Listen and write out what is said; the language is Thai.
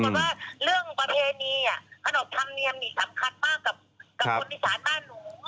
เรื่องประเพณีขนบธรรมเนียมสำคัญบ้างกับคนที่สาวบ้านหนู